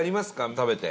食べて。